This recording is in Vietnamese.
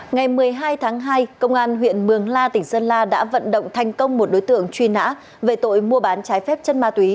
ngày một mươi hai tháng hai công an huyện mường la tỉnh sơn la đã vận động thành công một đối tượng truy nã về tội mua bán trái phép chất ma túy